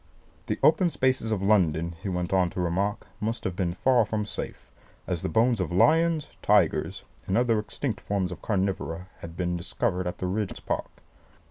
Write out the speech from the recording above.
The open spaces of London, he went on to remark, must have been far from safe, as the bones of lions, tigers, and other extinct forms of carnivora had been discovered in the Regent's Park.